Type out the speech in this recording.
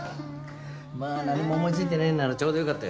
まあ何も思いついてねえんならちょうどよかったよ。